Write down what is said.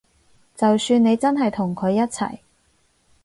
就算你真係同佢一齊